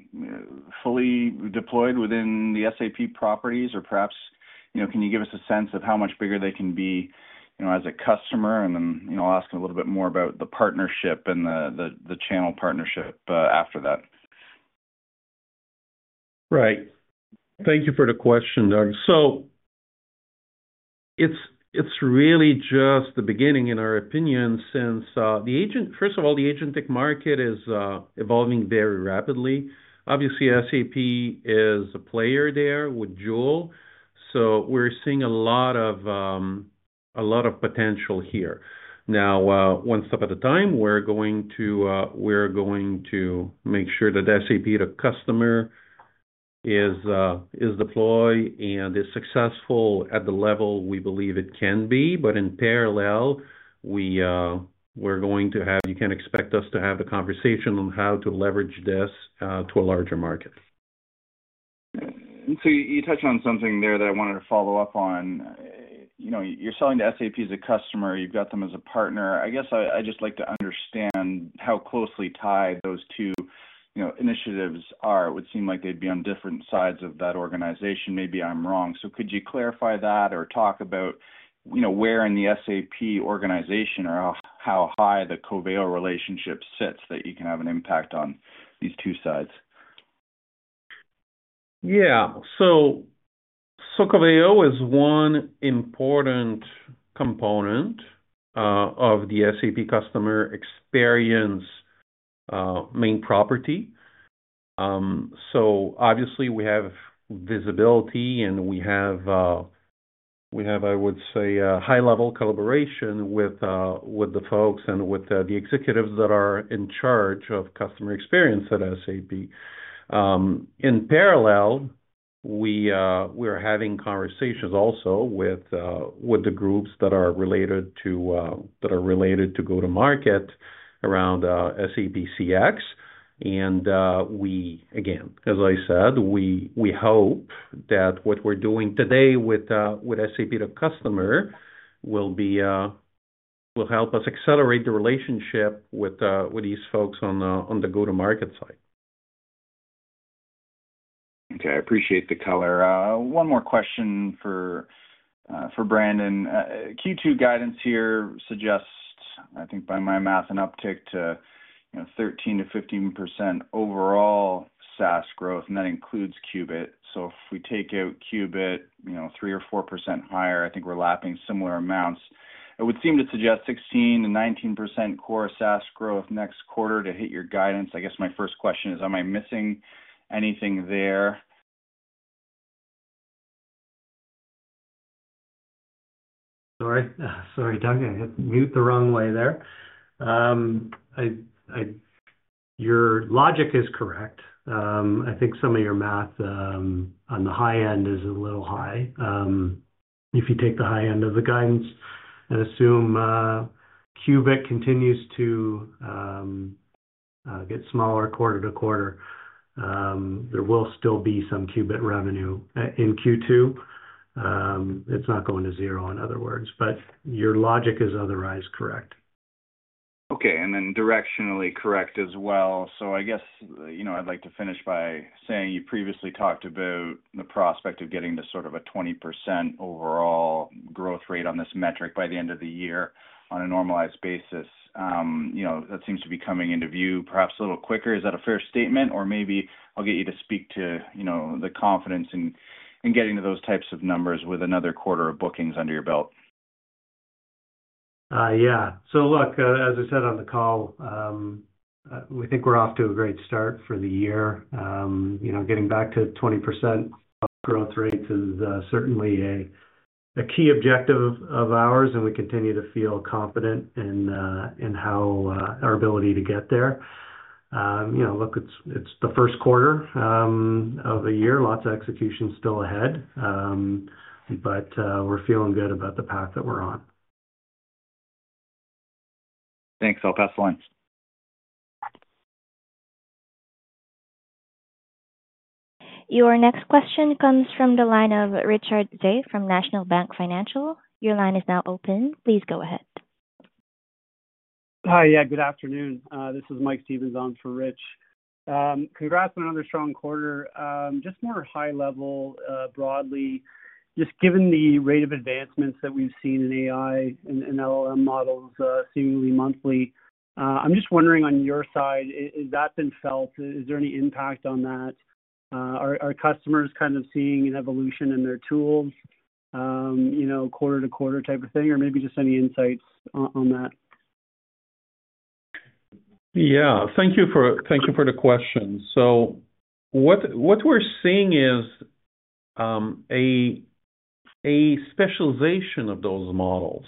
fully deployed within the SAP properties, or perhaps, can you give us a sense of how much bigger they can be as a customer? I'll ask a little bit more about the partnership and the channel partnership after that. Right. Thank you for the question, Doug. It's really just the beginning, in our opinion, since the agent, first of all, the agentic market is evolving very rapidly. Obviously, SAP is a player there with Joule. We're seeing a lot of potential here. One step at a time, we're going to make sure that SAP, the customer, is deployed and is successful at the level we believe it can be. In parallel, you can expect us to have the conversation on how to leverage this to a larger market. You touched on something there that I wanted to follow up on. You're selling to SAP as a customer. You've got them as a partner. I guess I'd just like to understand how closely tied those two initiatives are. It would seem like they'd be on different sides of that organization. Maybe I'm wrong. Could you clarify that or talk about where in the SAP organization or how high the Coveo relationship sits that you can have an impact on these two sides? Yeah, Coveo is one important component of the SAP customer experience main property. Obviously, we have visibility, and we have, I would say, high-level collaboration with the folks and with the executives that are in charge of customer experience at SAP. In parallel, we are having conversations also with the groups that are related to go-to-market around SAP CX. As I said, we hope that what we're doing today with SAP to customer will help us accelerate the relationship with these folks on the go-to-market side. Okay, I appreciate the color. One more question for Brandon. Q2 guidance here suggests, I think by my math, an uptick to 13%-15% overall SaaS growth, and that includes Qubit. If we take out Qubit, you know, 3% or 4% higher, I think we're lapping similar amounts. It would seem to suggest 16%-19% core SaaS growth next quarter to hit your guidance. I guess my first question is, am I missing anything there? Sorry, Doug, I hit mute the wrong way there. Your logic is correct. I think some of your math on the high end is a little high. If you take the high end of the guidance, I assume Qubit continues to get smaller quarter to quarter. There will still be some Qubit revenue in Q2. It's not going to zero, in other words, but your logic is otherwise correct. Okay, directionally correct as well. I guess, you know, I'd like to finish by saying you previously talked about the prospect of getting to sort of a 20% overall growth rate on this metric by the end of the year on a normalized basis. You know, that seems to be coming into view perhaps a little quicker. Is that a fair statement, or maybe I'll get you to speak to, you know, the confidence in getting to those types of numbers with another quarter of bookings under your belt? Yeah, as I said on the call, we think we're off to a great start for the year. Getting back to 20% growth rates is certainly a key objective of ours, and we continue to feel confident in how our ability to get there. It's the first quarter of the year, lots of execution still ahead, but we're feeling good about the path that we're on. Thanks, I'll pass the line. Your next question comes from the line of Richard Day from National Bank Financial. Your line is now open. Please go ahead. Hi, yeah, good afternoon. This is Mike Stevens on for Rich. Congrats on another strong quarter. Just more high level broadly, just given the rate of advancements that we've seen in AI and LLM models seemingly monthly, I'm just wondering on your side, has that been felt? Is there any impact on that? Are customers kind of seeing an evolution in their tools, you know, quarter to quarter type of thing, or maybe just any insights on that? Thank you for the question. What we're seeing is a specialization of those models.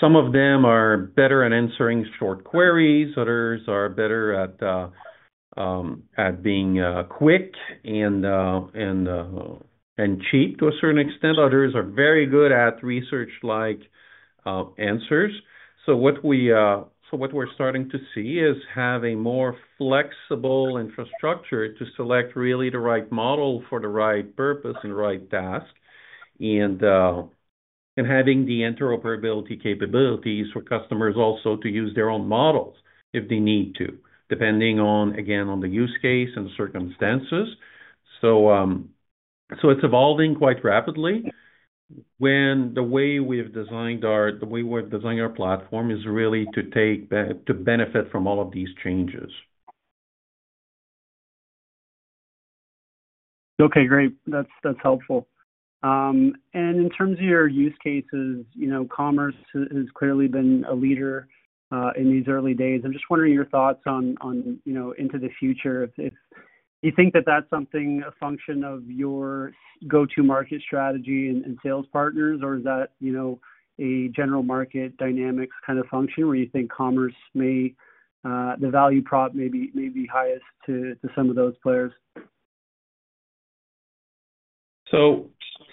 Some of them are better at answering short queries. Others are better at being quick and cheap to a certain extent. Others are very good at research-like answers. What we're starting to see is having more flexible infrastructure to select really the right model for the right purpose and the right task, and having the interoperability capabilities for customers also to use their own models if they need to, depending on the use case and the circumstances. It's evolving quite rapidly. The way we've designed our platform is really to benefit from all of these changes. Okay, great. That's helpful. In terms of your use cases, you know, commerce has clearly been a leader in these early days. I'm just wondering your thoughts on, you know, into the future. If you think that that's something a function of your go-to-market strategy and sales partners, or is that, you know, a general market dynamics kind of function where you think commerce may, the value prop may be highest to some of those players?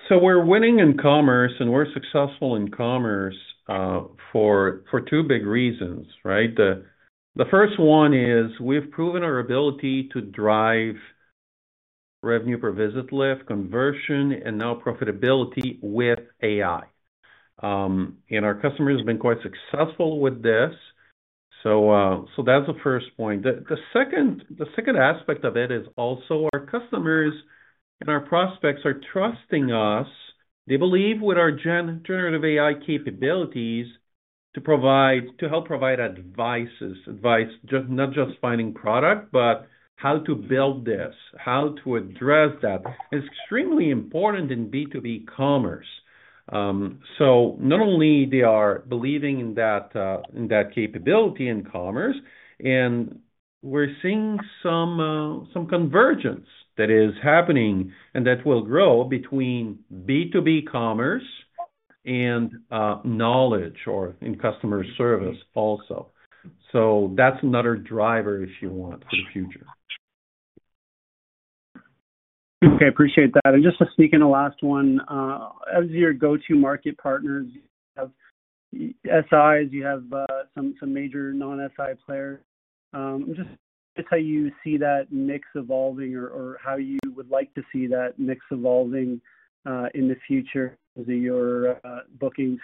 We're winning in commerce, and we're successful in commerce for two big reasons, right? The first one is we've proven our ability to drive revenue per visit lift, conversion, and now profitability with AI. Our customers have been quite successful with this. That's the first point. The second aspect of it is also our customers and our prospects are trusting us. They believe with our generative AI capabilities to help provide advice, not just finding product, but how to build this, how to address that. It's extremely important in B2B commerce. Not only are they believing in that capability in commerce, we're seeing some convergence that is happening and that will grow between B2B commerce and knowledge or in customer service also. That's another driver, if you want, for the future. Okay, I appreciate that. Just to speak in the last one, as your go-to-market partners, you have SIs, you have some major non-SI players. I'm just, is how you see that mix evolving or how you would like to see that mix evolving in the future with your bookings?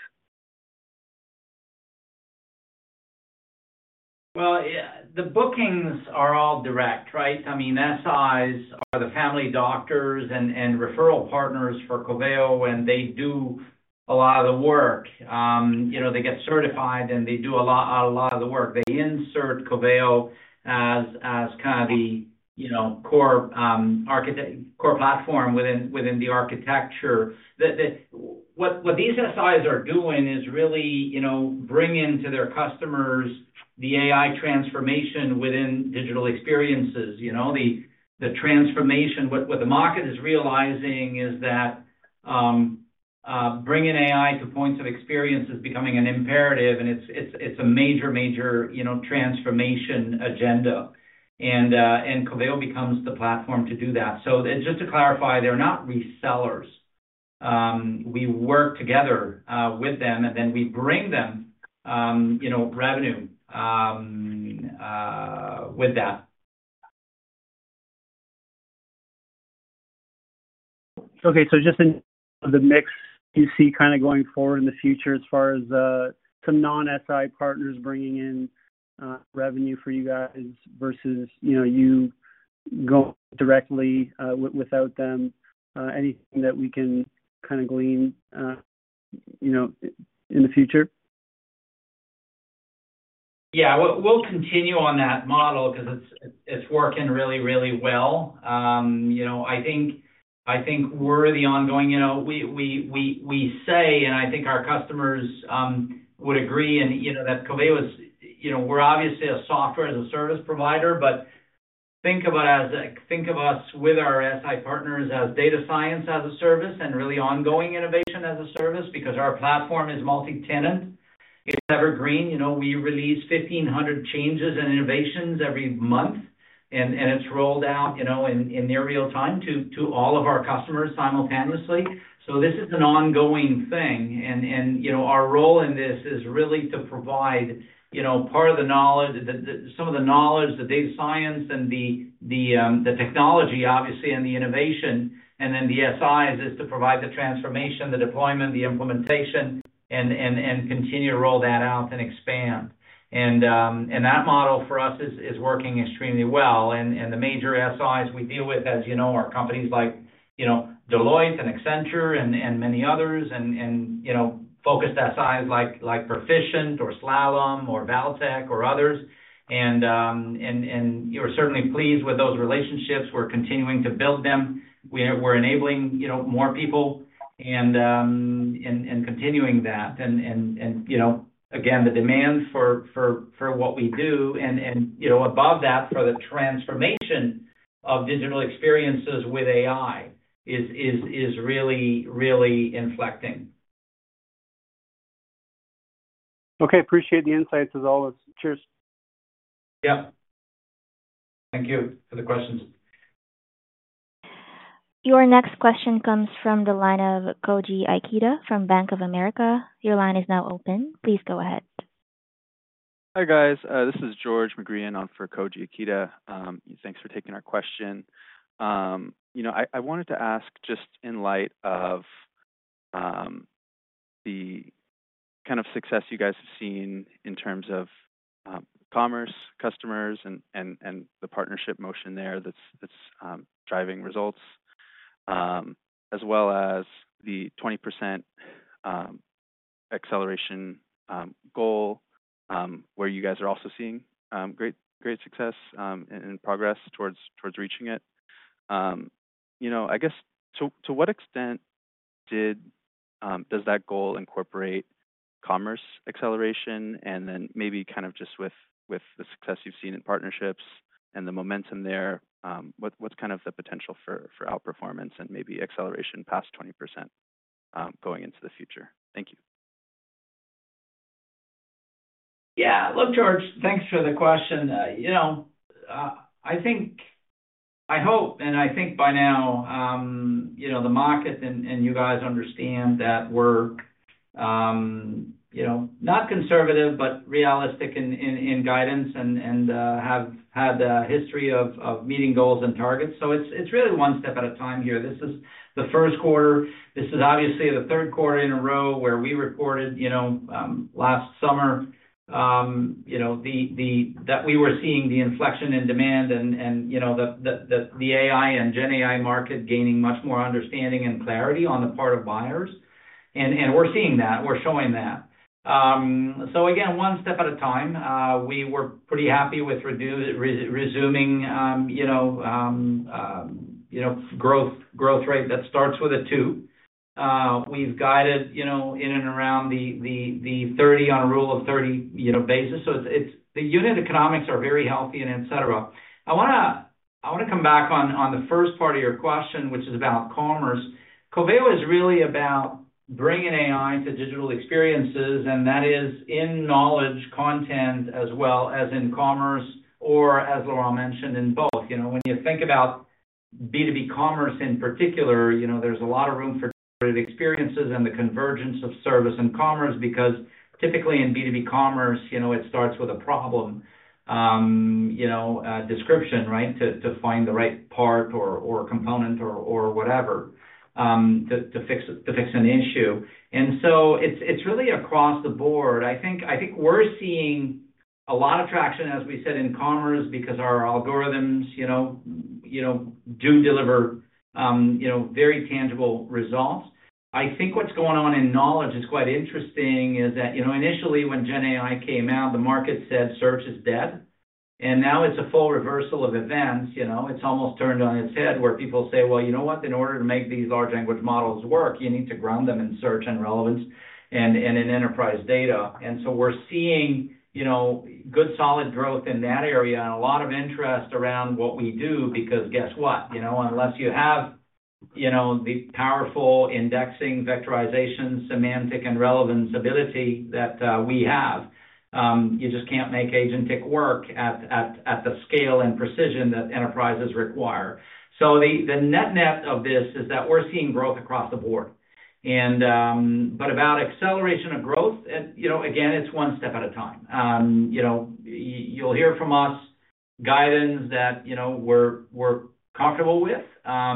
The bookings are all direct, right? I mean, SIs for the family doctors and referral partners for Coveo, and they do a lot of the work. They get certified and they do a lot of the work. They insert Coveo as kind of the core platform within the architecture. What these SIs are doing is really bringing to their customers the AI transformation within digital experiences. The transformation, what the market is realizing is that bringing AI to points of experience is becoming an imperative, and it's a major, major transformation agenda. Coveo becomes the platform to do that. Just to clarify, they're not resellers. We work together with them, and then we bring them revenue with that. Okay, so just in the mix, do you see kind of going forward in the future as far as some non-SI partners bringing in revenue for you guys versus, you know, you go directly without them? Anything that we can kind of glean in the future? Yeah, we'll continue on that model because it's working really, really well. I think we're the ongoing, we say, and I think our customers would agree, that Coveo is, we're obviously a software as a service provider, but think of us with our SI partners as data science as a service and really ongoing innovation as a service because our platform is multi-tenant. It's evergreen. We release 1,500 changes and innovations every month, and it's rolled out in near real time to all of our customers simultaneously. This is an ongoing thing, and our role in this is really to provide part of the knowledge, some of the knowledge, the data science, and the technology, obviously, and the innovation, and then the SIs is to provide the transformation, the deployment, the implementation, and continue to roll that out and expand. That model for us is working extremely well. The major SIs we deal with, as you know, are companies like Deloitte and Accenture and many others, and focused SIs like Proficient or Slalom or Valtec or others. We're certainly pleased with those relationships. We're continuing to build them. We're enabling more people and continuing that. The demand for what we do and above that for the transformation of digital experiences with AI is really, really inflecting. Okay, appreciate the insights as always. Cheers. Yep. Thank you for the questions. Your next question comes from the line of Koji Ikeda from Bank of America. Your line is now open. Please go ahead. Hi guys, this is [George McGrean] on for Koji Ikeda. Thanks for taking our question. I wanted to ask just in light of the kind of success you guys have seen in terms of commerce, customers, and the partnership motion there that's driving results, as well as the 20% acceleration goal where you guys are also seeing great success and progress towards reaching it. I guess to what extent does that goal incorporate commerce acceleration? Maybe just with the success you've seen in partnerships and the momentum there, what's the potential for outperformance and maybe acceleration past 20% going into the future? Thank you. Yeah, look, George, thanks for the question. I think, I hope, and I think by now, the market and you guys understand that we're not conservative, but realistic in guidance and have had a history of meeting goals and targets. It's really one step at a time here. This is the first quarter. This is obviously the third quarter in a row where we reported last summer that we were seeing the inflection in demand and the AI GenAI market gaining much more understanding and clarity on the part of buyers. We're seeing that. We're showing that. One step at a time. We were pretty happy with resuming growth rate that starts with a two. We've guided in and around the 30 on a rule of 30 basis. The unit economics are very healthy and et cetera. I want to come back on the first part of your question, which is commerce. Coveo is really about bringing AI to digital experiences, and that is in knowledge content as well as in commerce, or as Laurent mentioned, in both. When you think about B2B commerce in particular, there's a lot of room for experiences and the convergence of service and commerce because typically in B2B commerce, it starts with a problem description, right, to find the right part or component or whatever to fix an issue. It's really across the board. I think we're seeing a lot of traction, as we said, in commerce because our algorithms do deliver very tangible results. I think what's going on in knowledge is quite interesting is that initially GenAI came out, the market said search is dead. Now it's a full reversal of events. It's almost turned on its head where people say, you know what, in order to make these large language models work, you need to ground them in search and relevance and in enterprise data. We're seeing good solid growth in that area and a lot of interest around what we do because guess what, unless you have the powerful indexing, vectorization, semantic, and relevance ability that we have, you just can't make agentic AI work at the scale and precision that enterprises require. The net net of this is that we're seeing growth across the board. About acceleration of growth, again, it's one step at a time. You'll hear from us guidance that we're comfortable with. I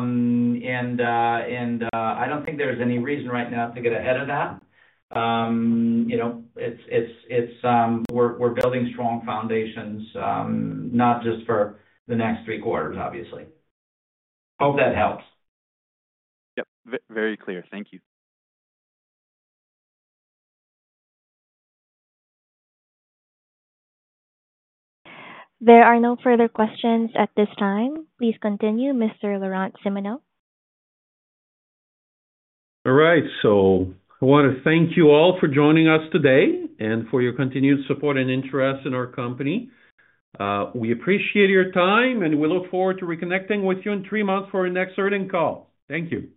don't think there's any reason right now to get ahead of that. We're building strong foundations, not just for the next three quarters, obviously. Hope that helps. Yep, very clear. Thank you. There are no further questions at this time. Please continue, Mr. Laurent Simoneau. All right, I want to thank you all for joining us today and for your continued support and interest in our company. We appreciate your time, and we look forward to reconnecting with you in three months for our next urgent call. Thank you.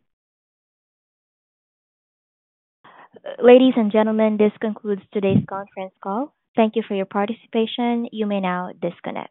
Ladies and gentlemen, this concludes today's conference call. Thank you for your participation. You may now disconnect.